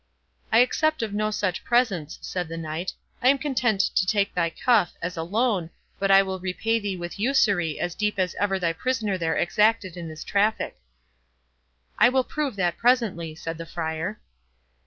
"I accept of no such presents," said the Knight; "I am content to take thy cuff 421 as a loan, but I will repay thee with usury as deep as ever thy prisoner there exacted in his traffic." "I will prove that presently," said the Friar.